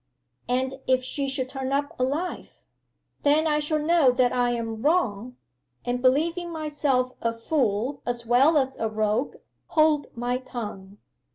'"And if she should turn up alive?" '"Then I shall know that I am wrong, and believing myself a fool as well as a rogue, hold my tongue."